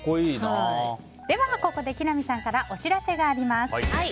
ではここで木南さんからお知らせがあります。